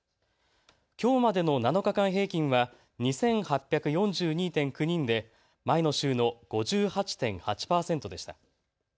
きょうまでの７日間平均は２８４２．９人で前の週の５８．８％でした。